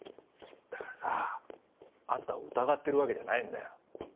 だからさああんたを疑ってるわけじゃないんだよ。